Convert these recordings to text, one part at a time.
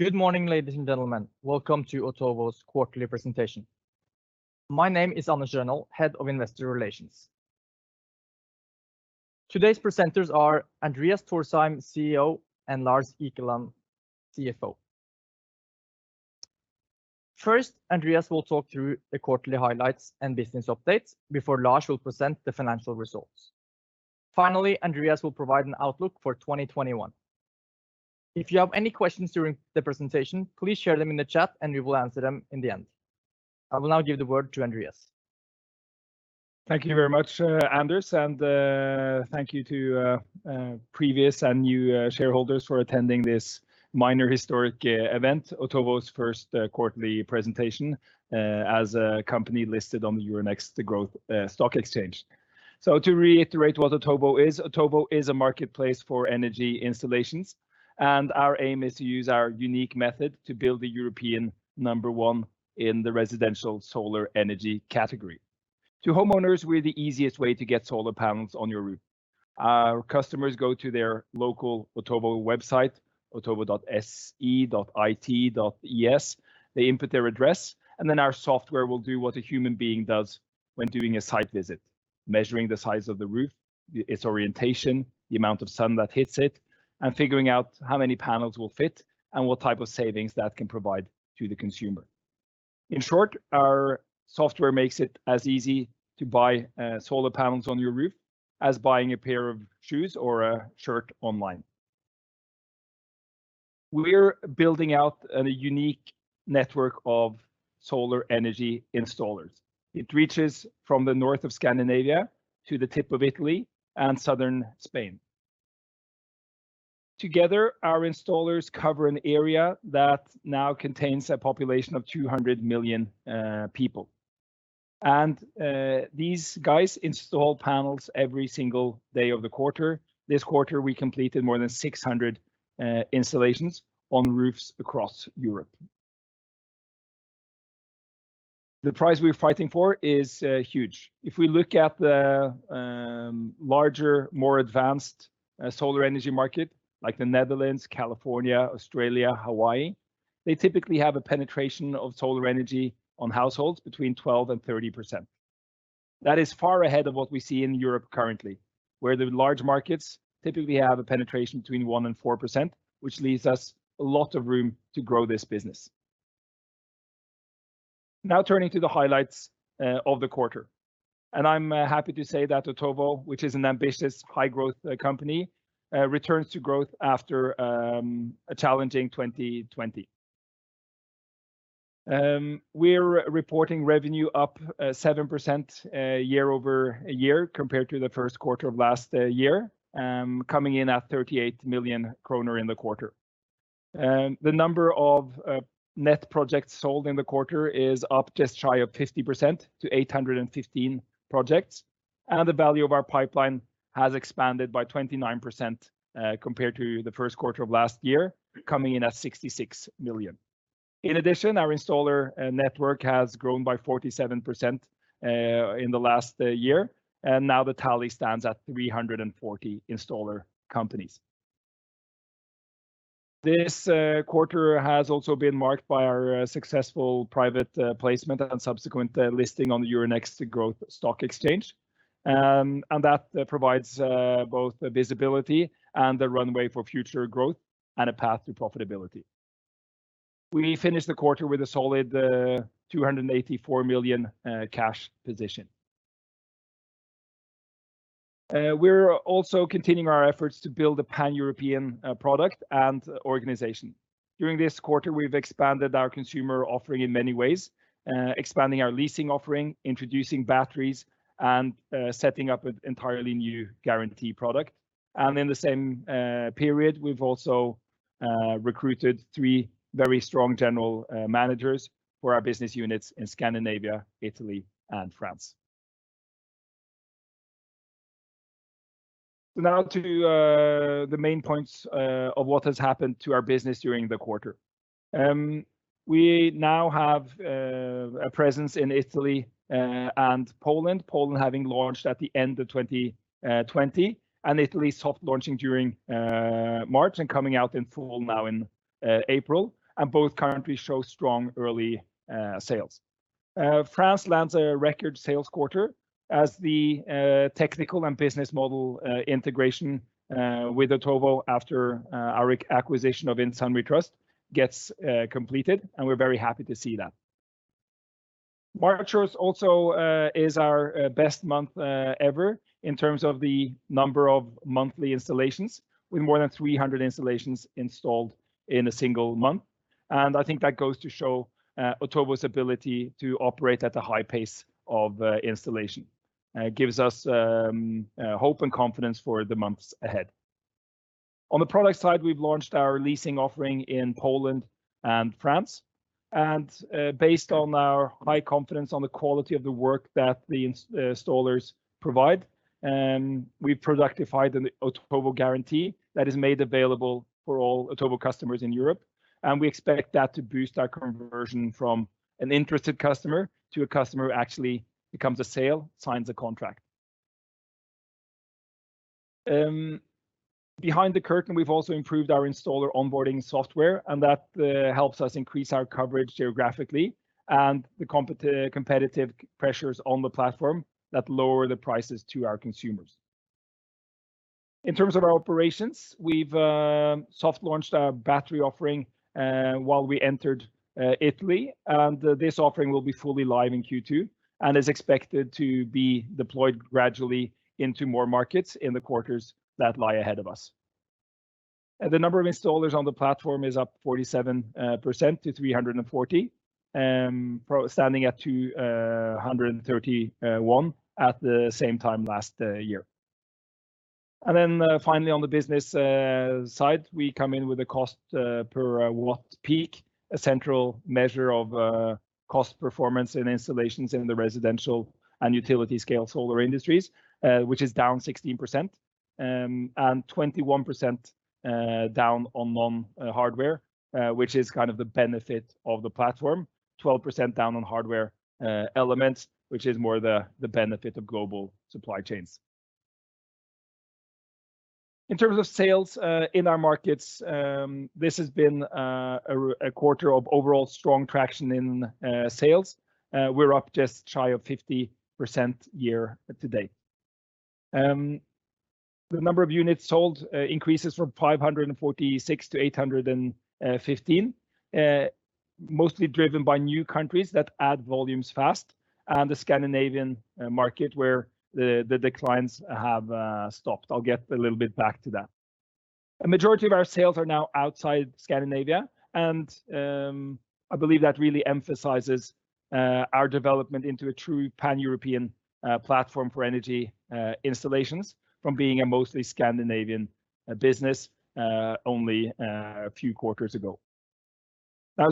Good morning, ladies and gentlemen. Welcome to Otovo's quarterly presentation. My name is Anders Rønold, head of investor relations. Today's presenters are Andreas Thorsheim, CEO, and Lars Ekeland, CFO. First, Andreas will talk through the quarterly highlights and business updates before Lars will present the financial results. Finally, Andreas will provide an outlook for 2021. If you have any questions during the presentation, please share them in the chat and we will answer them in the end. I will now give the word to Andreas. Thank you very much, Anders, and thank you to previous and new shareholders for attending this minor historic event, Otovo's first quarterly presentation as a company listed on the Euronext Growth stock exchange. To reiterate what Otovo is, Otovo is a marketplace for energy installations, and our aim is to use our unique method to build the European number one in the residential solar energy category. To homeowners, we're the easiest way to get solar panels on your roof. Our customers go to their local Otovo website, otovo.se, otovo.it, otovo.es. They input their address, and then our software will do what a human being does when doing a site visit, measuring the size of the roof, its orientation, the amount of sun that hits it, and figuring out how many panels will fit and what type of savings that can provide to the consumer. In short, our software makes it as easy to buy solar panels on your roof as buying a pair of shoes or a shirt online. We're building out a unique network of solar energy installers. It reaches from the north of Scandinavia to the tip of Italy and southern Spain. Together, our installers cover an area that now contains a population of 200 million people. These guys install panels every single day of the quarter. This quarter, we completed more than 600 installations on roofs across Europe. The prize we're fighting for is huge. If we look at the larger, more advanced solar energy market, like the Netherlands, California, Australia, Hawaii, they typically have a penetration of solar energy on households between 12%-30%. That is far ahead of what we see in Europe currently, where the large markets typically have a penetration between 1% and 4%, which leaves us a lot of room to grow this business. Turning to the highlights of the quarter, I'm happy to say that Otovo, which is an ambitious high-growth company, returns to growth after a challenging 2020. We're reporting revenue up 7% year-over-year compared to the first quarter of last year, coming in at 38 million kroner in the quarter. The number of net projects sold in the quarter is up just shy of 50% to 815 projects, the value of our pipeline has expanded by 29% compared to the first quarter of last year, coming in at 66 million. In addition, our installer network has grown by 47% in the last year, now the tally stands at 340 installer companies. This quarter has also been marked by our successful private placement and subsequent listing on the Euronext Growth stock exchange. That provides both visibility and the runway for future growth and a path to profitability. We finished the quarter with a solid 284 million cash position. We're also continuing our efforts to build a pan-European product and organization. During this quarter, we've expanded our consumer offering in many ways, expanding our leasing offering, introducing batteries, and setting up an entirely new Otovo guarantee product. In the same period, we've also recruited three very strong general managers for our business units in Scandinavia, Italy, and France. Now to the main points of what has happened to our business during the quarter. We now have a presence in Italy and Poland. Poland having launched at the end of 2020, Italy soft launching during March and coming out in full now in April, both currently show strong early sales. France lands a record sales quarter as the technical and business model integration with Otovo after our acquisition of In Sun We Trust gets completed, we're very happy to see that. March also is our best month ever in terms of the number of monthly installations, with more than 300 installations installed in a single month. I think that goes to show Otovo's ability to operate at a high pace of installation. It gives us hope and confidence for the months ahead. On the product side, we've launched our leasing offering in Poland and France, and based on our high confidence on the quality of the work that the installers provide, we productified an Otovo guarantee that is made available for all Otovo customers in Europe, and we expect that to boost our conversion from an interested customer to a customer who actually becomes a sale, signs a contract. Behind the curtain, we've also improved our installer onboarding software, and that helps us increase our coverage geographically and the competitive pressures on the platform that lower the prices to our consumers. In terms of our operations, we've soft launched our battery offering while we entered Italy, and this offering will be fully live in Q2 and is expected to be deployed gradually into more markets in the quarters that lie ahead of us. The number of installers on the platform is up 47% to 340, standing at 231 at the same time last year. Finally, on the business side, we come in with a cost per watt-peak, a central measure of cost performance in installations in the residential and utility scale solar industries, which is down 16% and 21% down on non-hardware, which is the benefit of the platform. 12% down on hardware elements, which is more the benefit of global supply chains. In terms of sales in our markets, this has been a quarter of overall strong traction in sales. We're up just shy of 50% year to date. The number of units sold increases from 546 to 815, mostly driven by new countries that add volumes fast and the Scandinavian market where the declines have stopped. I'll get a little bit back to that. A majority of our sales are now outside Scandinavia. I believe that really emphasizes our development into a true pan-European platform for energy installations from being a mostly Scandinavian business only a few quarters ago.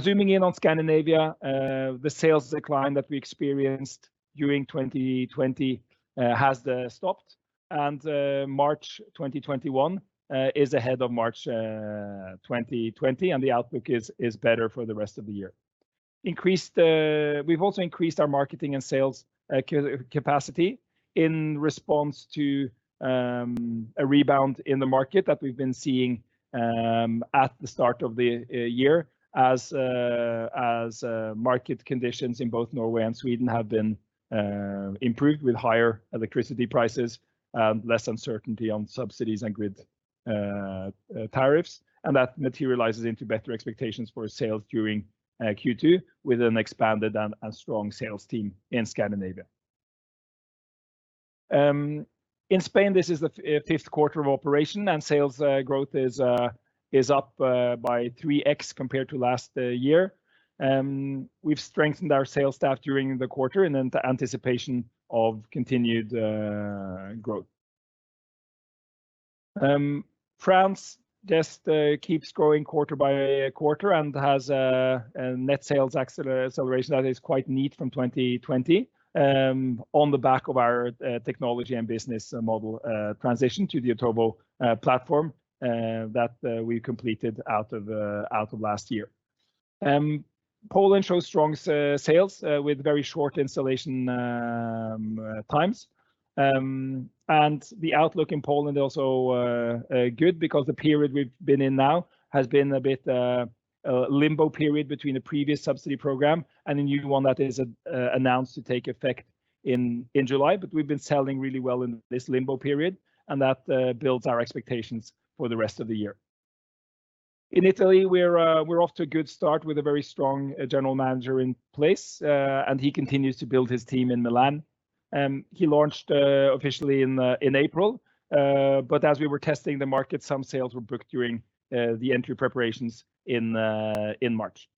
Zooming in on Scandinavia, the sales decline that we experienced during 2020 has stopped. March 2021 is ahead of March 2020. The outlook is better for the rest of the year. We've also increased our marketing and sales capacity in response to a rebound in the market that we've been seeing at the start of the year, as market conditions in both Norway and Sweden have been improved with higher electricity prices, less uncertainty on subsidies and grid tariffs. That materializes into better expectations for sales during Q2 with an expanded and a strong sales team in Scandinavia. In Spain, this is the fifth quarter of operation and sales growth is up by 3x compared to last year. We've strengthened our sales staff during the quarter and into anticipation of continued growth. France just keeps growing quarter by quarter and has a net sales acceleration that is quite neat from 2020 on the back of our technology and business model transition to the Otovo platform that we completed out of last year. Poland shows strong sales with very short installation times. The outlook in Poland also good because the period we've been in now has been a bit a limbo period between the previous subsidy program and the new one that is announced to take effect in July. We've been selling really well in this limbo period, and that builds our expectations for the rest of the year. In Italy, we're off to a good start with a very strong general manager in place, and he continues to build his team in Milan. He launched officially in April. As we were testing the market, some sales were booked during the entry preparations in March.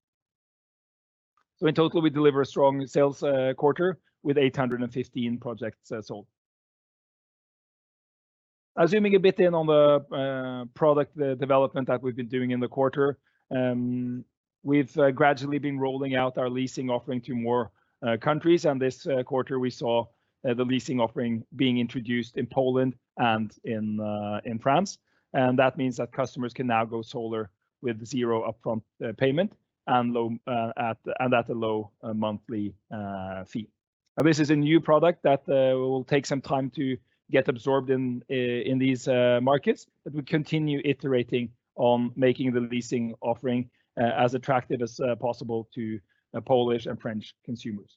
In total, we deliver a strong sales quarter with 815 projects sold. Zooming a bit in on the product development that we've been doing in the quarter, we've gradually been rolling out our leasing offering to more countries, and this quarter we saw the leasing offering being introduced in Poland and in France. That means that customers can now go solar with zero upfront payment and at a low monthly fee. This is a new product that will take some time to get absorbed in these markets. We continue iterating on making the leasing offering as attractive as possible to Polish and French consumers.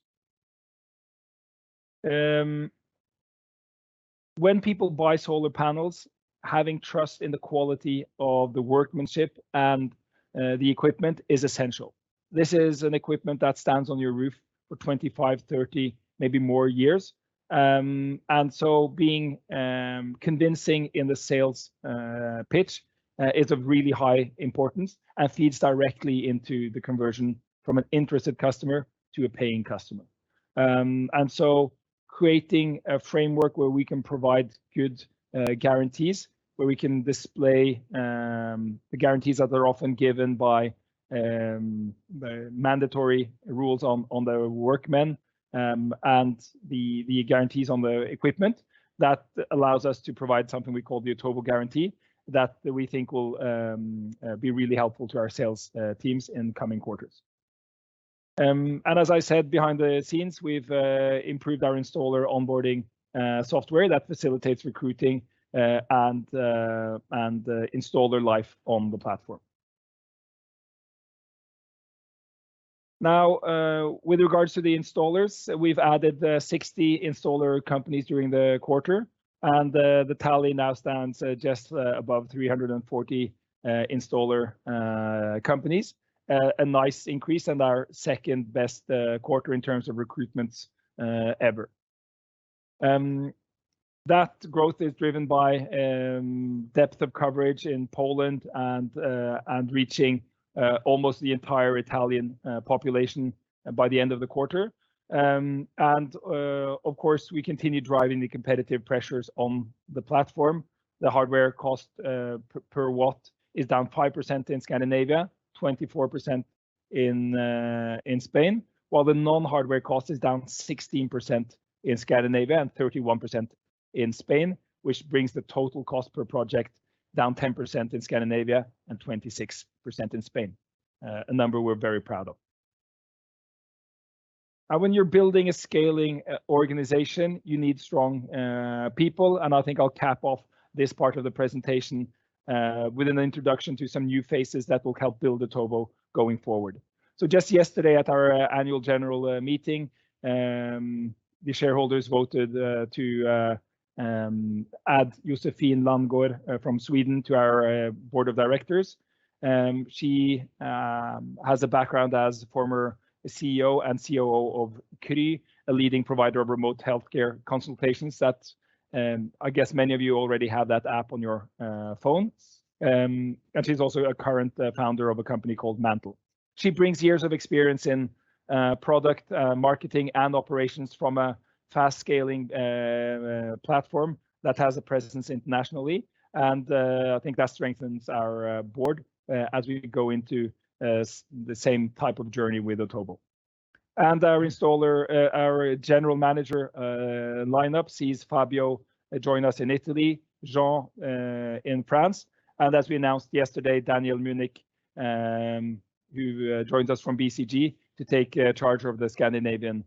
When people buy solar panels, having trust in the quality of the workmanship and the equipment is essential. This is an equipment that stands on your roof for 25, 30, maybe more years. Being convincing in the sales pitch is of really high importance and feeds directly into the conversion from an interested customer to a paying customer. Creating a framework where we can provide good guarantees, where we can display the guarantees that are often given by the mandatory rules on the workmen, and the guarantees on the equipment, that allows us to provide something we call the Otovo guarantee that we think will be really helpful to our sales teams in coming quarters. As I said, behind the scenes, we've improved our installer onboarding software that facilitates recruiting and installer life on the platform. Now, with regards to the installers, we've added 60 installer companies during the quarter, and the tally now stands just above 340 installer companies. A nice increase and our second-best quarter in terms of recruitments ever. That growth is driven by depth of coverage in Poland and reaching almost the entire Italian population by the end of the quarter. Of course, we continue driving the competitive pressures on the platform. The hardware cost per watt is down 5% in Scandinavia, 24% in Spain, while the non-hardware cost is down 16% in Scandinavia and 31% in Spain, which brings the total cost per project down 10% in Scandinavia and 26% in Spain. A number we're very proud of. When you're building a scaling organization, you need strong people, and I think I'll cap off this part of the presentation with an introduction to some new faces that will help build Otovo going forward. Just yesterday at our annual general meeting, the shareholders voted to add Josefin Landgård from Sweden to our board of directors. She has a background as former CEO and COO of KRY, a leading provider of remote healthcare consultations that, I guess many of you already have that app on your phones. She's also a current founder of a company called MANTLE. She brings years of experience in product marketing and operations from a fast-scaling platform that has a presence internationally, and I think that strengthens our board as we go into the same type of journey with Otovo. Our installer, our General Manager lineup sees Fabio join us in Italy, Jean in France, and as we announced yesterday, Daniel Münnich, who joins us from BCG to take charge of the Scandinavian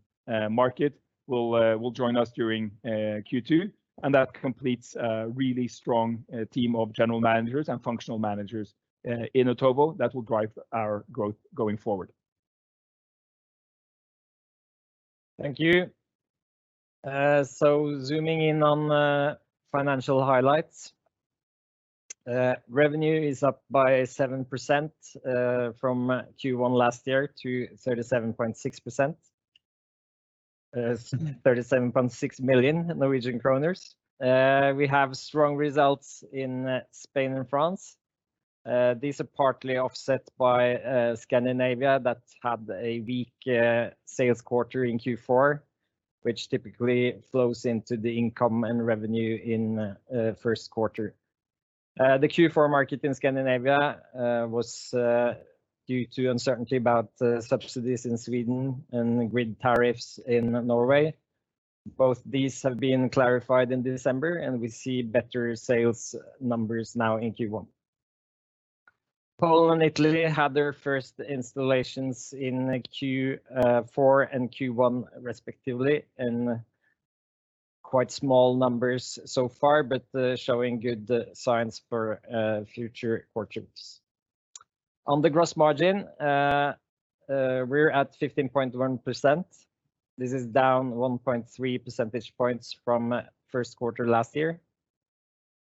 market, will join us during Q2, and that completes a really strong team of general managers and functional managers in Otovo that will drive our growth going forward. Thank you. Zooming in on the financial highlights. Revenue is up by 7% from Q1 last year to 37.6 million Norwegian kroner. We have strong results in Spain and France. These are partly offset by Scandinavia that had a weak sales quarter in Q4, which typically flows into the income and revenue in first quarter. The Q4 market in Scandinavia was due to uncertainty about subsidies in Sweden and grid tariffs in Norway. Both these have been clarified in December, we see better sales numbers now in Q1. Poland, Italy had their first installations in Q4 and Q1 respectively, in quite small numbers so far, but showing good signs for future quarters. On the gross margin, we're at 15.1%. This is down 1.3 percentage points from first quarter last year.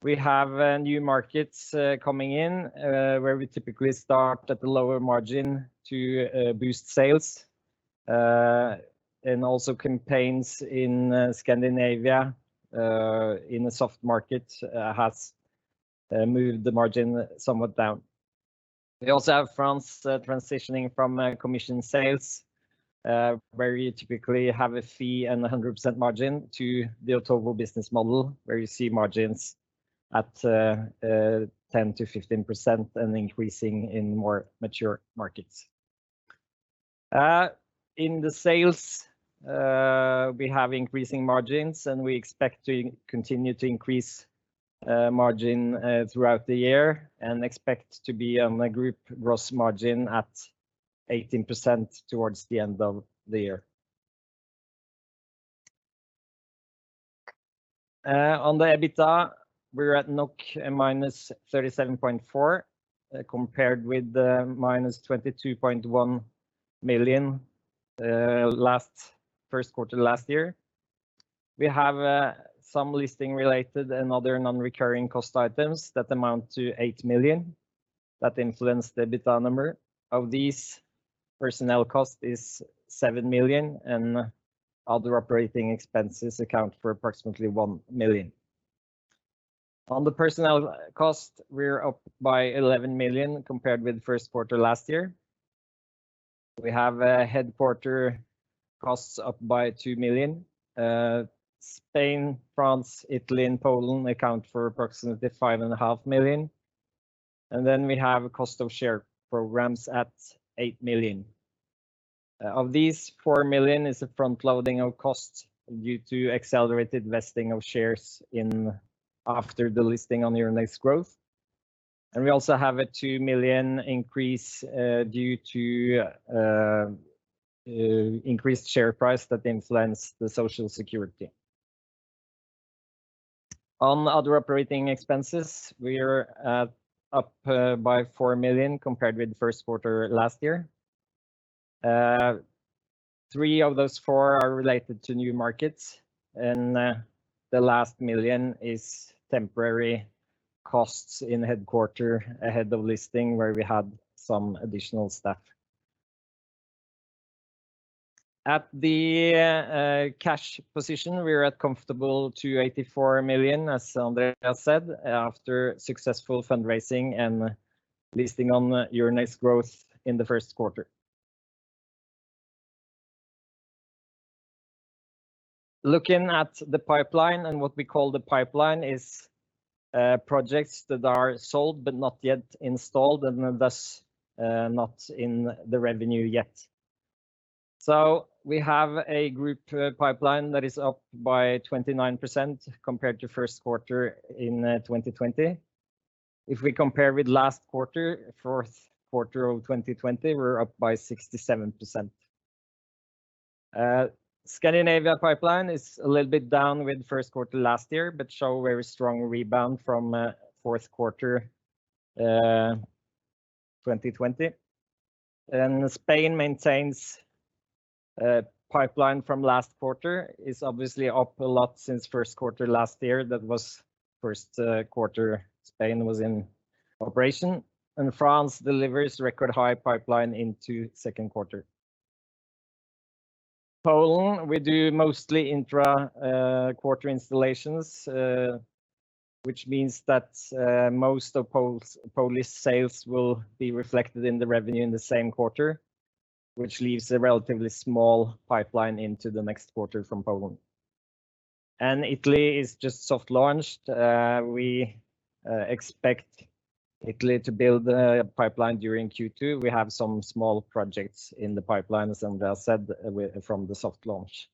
We have new markets coming in, where we typically start at the lower margin to boost sales. Also campaigns in Scandinavia, in a soft market, has moved the margin somewhat down. We also have France transitioning from commission sales, where you typically have a fee and 100% margin to the Otovo business model, where you see margins at 10%-15% and increasing in more mature markets. In the sales, we have increasing margins, we expect to continue to increase margin throughout the year and expect to be on a group gross margin at 18% towards the end of the year. On the EBITDA, we're at -37.4, compared with the -22.1 million first quarter last year. We have some listing-related and other non-recurring cost items that amount to 8 million that influence the EBITDA number. Of these, personnel cost is 7 million and other operating expenses account for approximately 1 million. On the personnel cost, we're up by 11 million compared with first quarter last year. We have headquarter costs up by 2 million. Spain, France, Italy, and Poland account for approximately 5.5 million. We have cost of share programs at 8 million. Of these, 4 million is from loading of costs due to accelerated vesting of shares after the listing on the Euronext Growth. We also have a 2 million increase due to increased share price that influenced the Social Security. On other operating expenses, we are up by 4 million compared with first quarter last year. Three of those four are related to new markets, and the last million is temporary costs in headquarter ahead of listing where we had some additional staff. At the cash position, we are at comfortable 284 million, as Andreas said, after successful fundraising and listing on Euronext Growth in the first quarter. Looking at the pipeline and what we call the pipeline is projects that are sold but not yet installed, thus not in the revenue yet. We have a group pipeline that is up by 29% compared to first quarter in 2020. If we compare with last quarter, fourth quarter of 2020, we're up by 67%. Scandinavia pipeline is a little bit down with first quarter last year, but show very strong rebound from fourth quarter 2020. Spain maintains a pipeline from last quarter, is obviously up a lot since first quarter last year. That was first quarter Spain was in operation. France delivers record high pipeline into second quarter. Poland, we do mostly intra-quarter installations, which means that most of Polish sales will be reflected in the revenue in the same quarter, which leaves a relatively small pipeline into the next quarter from Poland. Italy is just soft launched. We expect Italy to build a pipeline during Q2. We have some small projects in the pipeline, as Andreas said, from the soft launch.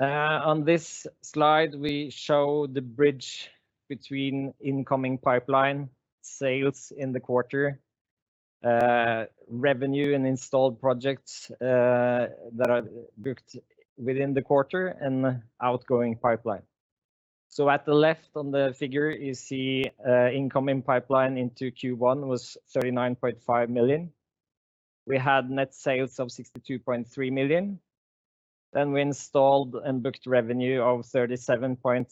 On this slide, we show the bridge between incoming pipeline sales in the quarter, revenue and installed projects that are booked within the quarter, and outgoing pipeline. At the left on the figure you see incoming pipeline into Q1 was 39.5 million. We had net sales of 62.3 million. We installed and booked revenue of 37.6 million.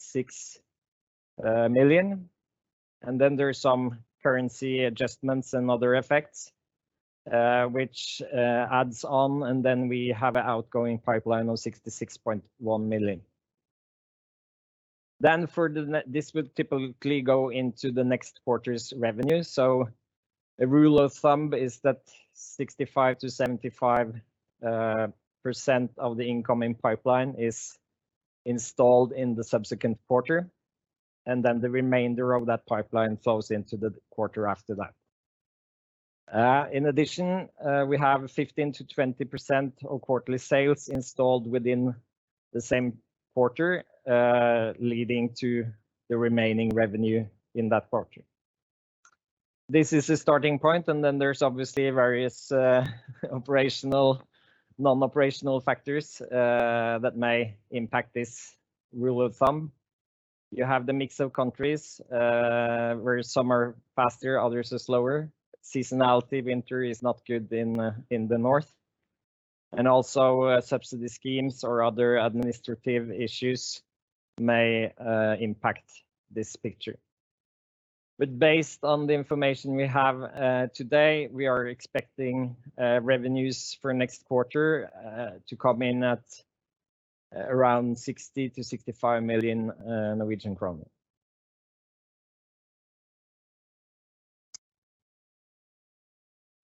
Then there's some currency adjustments and other effects, which adds on, and then we have an outgoing pipeline of 66.1 million. This would typically go into the next quarter's revenue. A rule of thumb is that 65%-75% of the incoming pipeline is installed in the subsequent quarter, the remainder of that pipeline falls into the quarter after that. In addition, we have 15%-20% of quarterly sales installed within the same quarter, leading to the remaining revenue in that quarter. This is a starting point, there's obviously various operational, non-operational factors that may impact this rule of thumb. You have the mix of countries, where some are faster, others are slower. Seasonality, winter is not good in the north. Subsidy schemes or other administrative issues may impact this picture. Based on the information we have today, we are expecting revenues for next quarter to come in at around NOK 60 million-NOK 65 million.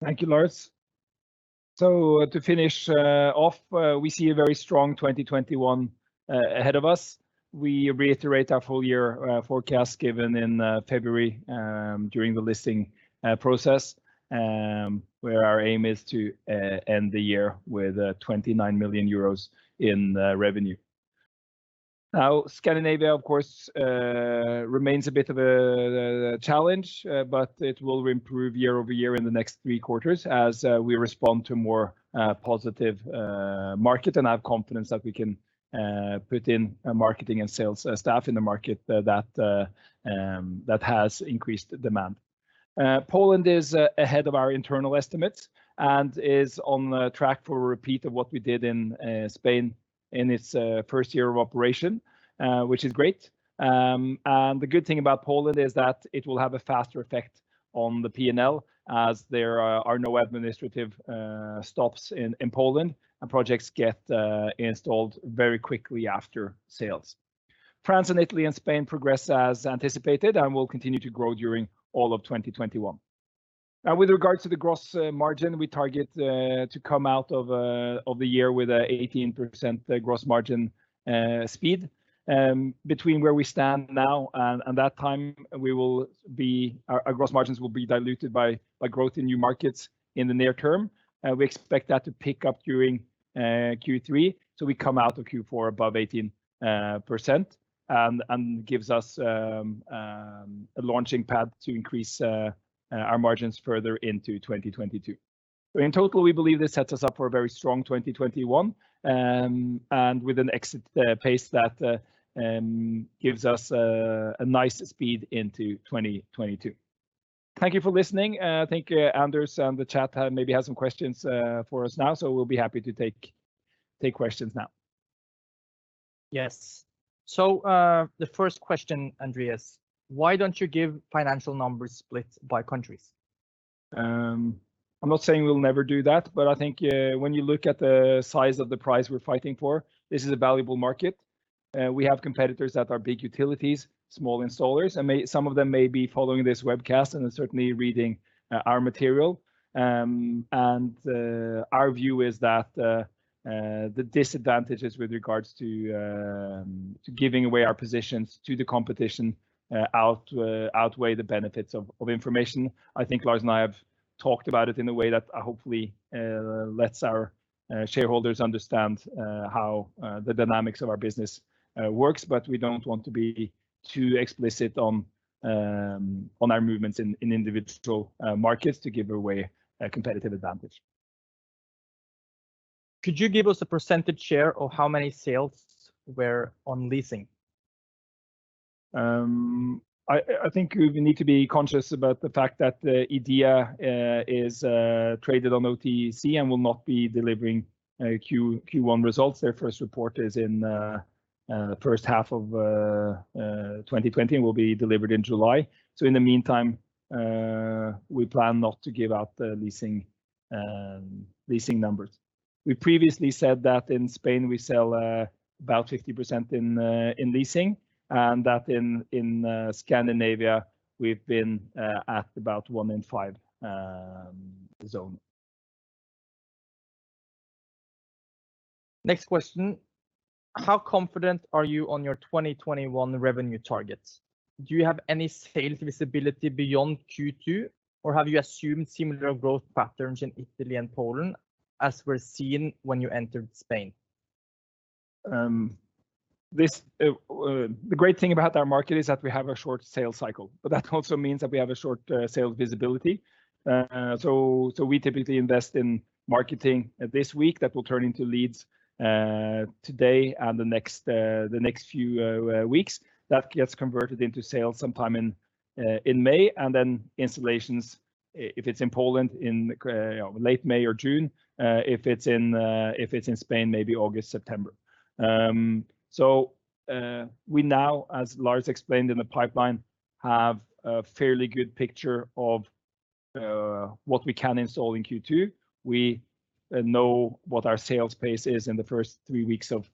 Thank you, Lars. To finish off, we see a very strong 2021 ahead of us. We reiterate our full-year forecast given in February during the listing process, where our aim is to end the year with 29 million euros in revenue. Scandinavia of course remains a bit of a challenge, but it will improve year-over-year in the next three quarters as we respond to more positive market and have confidence that we can put in a marketing and sales staff in the market that has increased demand. Poland is ahead of our internal estimates and is on track for a repeat of what we did in Spain in its first year of operation, which is great. The good thing about Poland is that it will have a faster effect on the P&L, as there are no administrative stops in Poland, and projects get installed very quickly after sales. France and Italy and Spain progress as anticipated and will continue to grow during all of 2021. With regards to the gross margin, we target to come out of the year with a 18% gross margin speed. Between where we stand now and that time, our gross margins will be diluted by growth in new markets in the near term. We expect that to pick up during Q3. We come out of Q4 above 18%, and gives us a launching pad to increase our margins further into 2022. In total, we believe this sets us up for a very strong 2021, and with an exit pace that gives us a nice speed into 2022. Thank you for listening. I think Anders in the chat maybe has some questions for us now. We'll be happy to take questions now. Yes. The first question, Andreas: why don't you give financial numbers split by countries? I'm not saying we'll never do that, but I think when you look at the size of the prize we're fighting for, this is a valuable market. We have competitors that are big utilities, small installers, and some of them may be following this webcast and are certainly reading our material. Our view is that the disadvantages with regards to giving away our positions to the competition outweigh the benefits of information. I think Lars and I have talked about it in a way that hopefully lets our shareholders understand how the dynamics of our business works. We don't want to be too explicit on our movements in individual markets to give away a competitive advantage. Could you give us a percentage share of how many sales were on leasing? I think we need to be conscious about the fact that the EDEA is traded on OTC and will not be delivering Q1 results. Their first report is in the first half of 2020 and will be delivered in July. In the meantime, we plan not to give out the leasing numbers. We previously said that in Spain we sell about 50% in leasing and that in Scandinavia, we've been at about one in five zone. Next question: How confident are you on your 2021 revenue targets? Do you have any sales visibility beyond Q2, or have you assumed similar growth patterns in Italy and Poland as were seen when you entered Spain? The great thing about our market is that we have a short sales cycle, but that also means that we have a short sales visibility. We typically invest in marketing this week that will turn into leads today and the next few weeks. That gets converted into sales sometime in May. Then installations, if it's in Poland, in late May or June. If it's in Spain, maybe August, September. We now, as Lars explained in the pipeline, have a fairly good picture of what we can install in Q2. We know what our sales pace is in the first three weeks of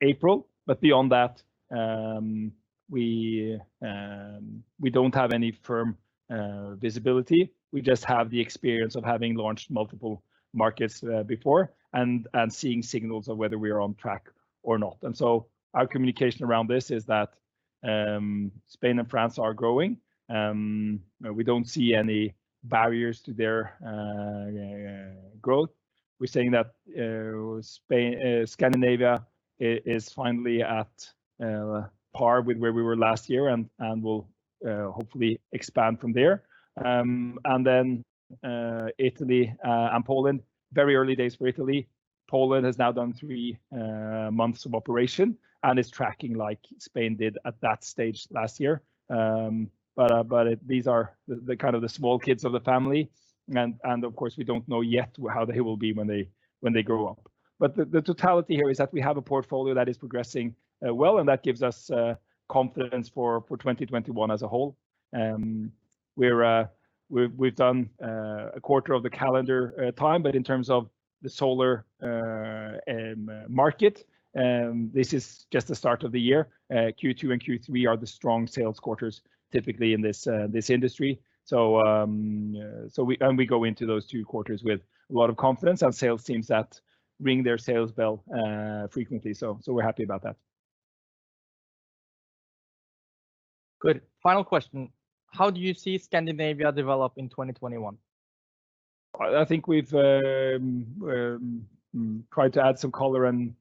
April. Beyond that, we don't have any firm visibility. We just have the experience of having launched multiple markets before and seeing signals of whether we are on track or not. Our communication around this is that Spain and France are growing. We don't see any barriers to their growth. We're saying that Scandinavia is finally at par with where we were last year and will hopefully expand from there. Then Italy and Poland, very early days for Italy. Poland has now done three months of operation and is tracking like Spain did at that stage last year. These are the small kids of the family. Of course, we don't know yet how they will be when they grow up. The totality here is that we have a portfolio that is progressing well, and that gives us confidence for 2021 as a whole. We've done a quarter of the calendar time, but in terms of the solar market, this is just the start of the year. Q2 and Q3 are the strong sales quarters typically in this industry. We go into those two quarters with a lot of confidence. Our sales teams that ring their sales bell frequently, so we're happy about that. Good. Final question: How do you see Scandinavia develop in 2021? I think we've tried to add some color and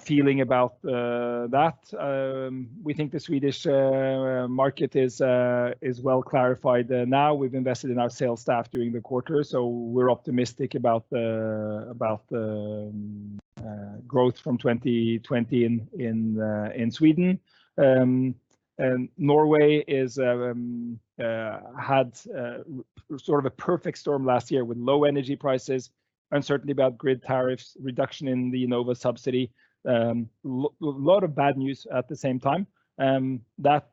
feeling about that. We think the Swedish market is well clarified now. We've invested in our sales staff during the quarter. We're optimistic about the growth from 2020 in Sweden. Norway had a perfect storm last year with low energy prices, uncertainty about grid tariffs, reduction in the Enova subsidy. A lot of bad news at the same time. That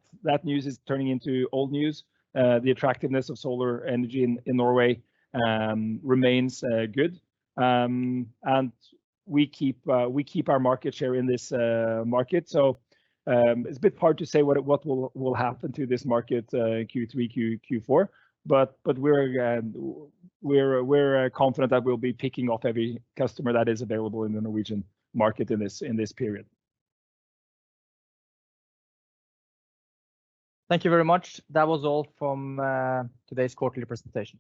news is turning into old news. The attractiveness of solar energy in Norway remains good. We keep our market share in this market. It's a bit hard to say what will happen to this market in Q3, Q4. We're confident that we'll be picking off every customer that is available in the Norwegian market in this period. Thank you very much. That was all from today's quarterly presentation.